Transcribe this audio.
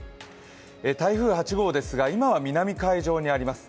台風８号ですが今は南海上にあります。